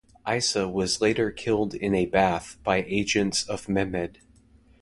Isa was later killed in a bath by agents of Mehmed.